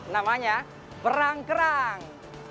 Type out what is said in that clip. namanya perang kerang